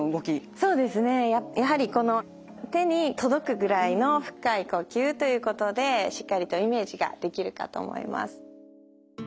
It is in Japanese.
そうですねやはりこの手に届くぐらいの深い呼吸ということでしっかりとイメージができるかと思います。